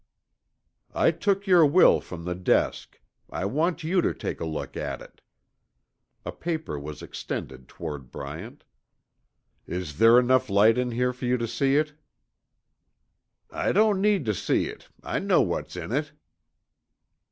"I took your will from the desk. I want you to take a look at it." A paper was extended toward Bryant. "Is there enough light in here for you to see it?" "I don't need tuh see it, I know what's in it!"